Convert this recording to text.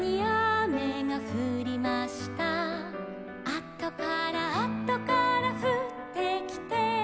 「あとからあとからふってきて」